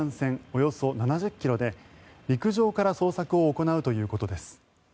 およそ７０ｋｍで陸上から捜索を行うということです。